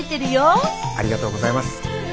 ありがとうございます。